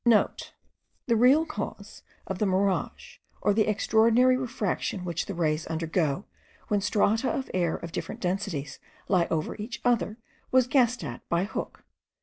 *(* The real cause of the mirage, or the extraordinary refraction which the rays undergo when strata of air of different densities lie over each other, was guessed at by Hooke.